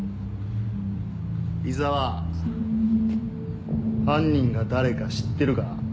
井沢犯人が誰か知ってるか？